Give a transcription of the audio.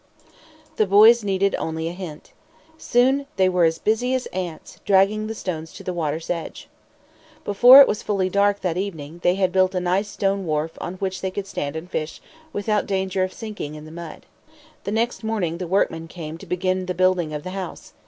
The boys needed only a hint. Soon they were as busy as ants, dragging the stones to the water's edge. Before it was fully dark that evening, they had built a nice stone wharf on which they could stand and fish without danger of sinking in the mud. The next morning the workmen came to begin the building of the house.